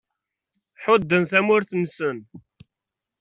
Ḥudden tamurt-nnsen.